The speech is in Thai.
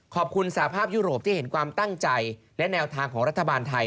ขอบคุณสาภาพยุโรปที่เห็นความตั้งใจและแนวทางของรัฐบาลไทย